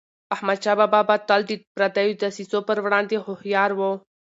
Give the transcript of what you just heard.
احمدشاه بابا به تل د پردیو دسیسو پر وړاندي هوښیار و.